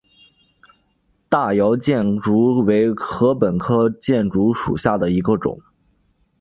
大姚箭竹为禾本科箭竹属下的一个种。